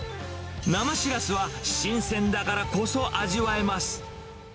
生しらすは新鮮だからこそ味わえます。